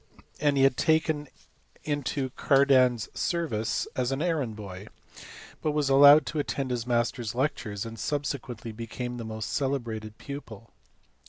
229 and he was taken into Cardan s service as an errand boy, but was allowed to attend his master s lectures, and subsequently became his most celebrated pupil.